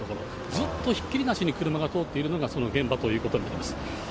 ずっとひっきりなしに車が通っているのがその現場となります。